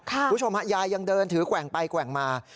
คุณผู้ชมฮะยายยังเดินถือแกว่งไปแกว่งมา